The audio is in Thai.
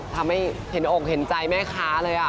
ทำให้เห็นอกเห็นใจแม่ค้าเลย